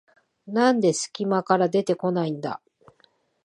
なんですき間から出てこないんだ